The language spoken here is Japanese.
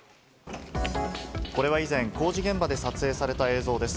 これは以前、工事現場で撮影された映像です。